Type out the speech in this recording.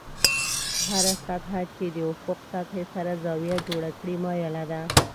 هره سطحه چې د افق سطحې سره زاویه جوړه کړي مایله ده.